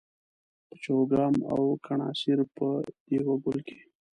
په چوګام او کڼاسېر په دېوه ګل کښي